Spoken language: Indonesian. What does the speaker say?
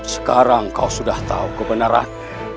sekarang kau sudah tahu kebenaran